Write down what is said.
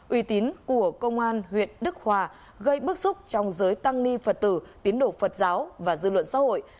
uy tín của công an huyện đức hòa gây bức xúc trong giới tăng ni phật tử tiến độ phật giáo và dư luận xã hội